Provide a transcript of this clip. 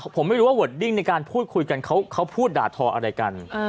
ผมไม่รู้ว่าเวิร์ดดิ้งในการพูดคุยกันเขาพูดด่าทออะไรกัน